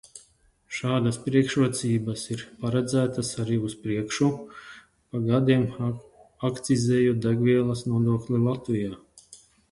Šādas priekšrocības ir paredzētas arī uz priekšu, pa gadiem akcizējot degvielas nodokli Latvijā.